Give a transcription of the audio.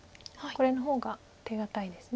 これの方が手堅いです。